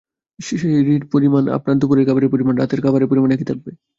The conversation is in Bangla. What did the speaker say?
সেহিরর পরিমাণ হবে আপনার দুপুরের খাবারের পরিমাণ, রাতের খাবারের পরিমাণ একই থাকবে।